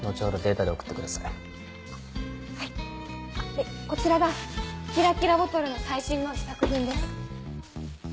でこちらがキラキラボトルの最新の試作品です。